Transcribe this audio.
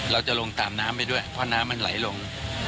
ลงตามน้ำไปด้วยเพราะน้ำมันไหลลง